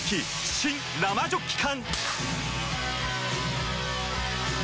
新・生ジョッキ缶！